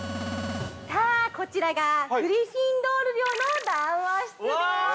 ◆さあ、こちらがグリフィンドール寮の談話室です。